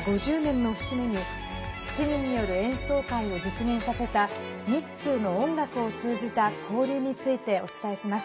５０年の節目に市民による演奏会を実現させた日中の音楽を通じた交流についてお伝えします。